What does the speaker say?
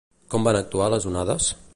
Com van actuar les onades?